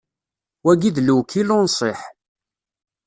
Wagi d lewkil unṣiḥ.